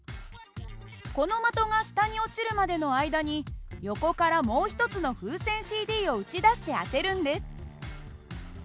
この的が下に落ちるまでの間に横からもう一つの風船ＣＤを撃ち出して当てるんです。